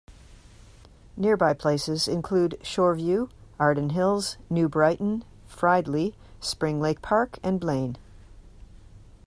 Nearby places include Shoreview, Arden Hills, New Brighton, Fridley, Spring Lake Park, and Blaine.